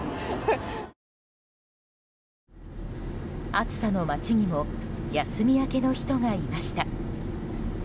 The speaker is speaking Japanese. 暑さの街にも休み明けの人がいました。